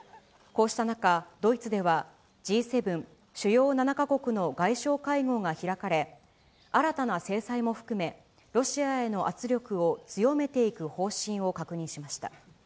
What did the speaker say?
こうした中、ドイツではＧ７・主要７か国の外相会合が開かれ、新たな制裁も含め、ロシアへの圧力を強めていく方針を確認しました。